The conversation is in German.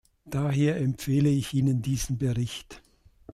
Daher empfehle ich Ihnen diesen Bericht.